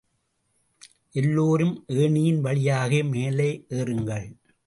எல்லோரும் ஏணியின் வழியாக மேலே ஏறுங்கள்.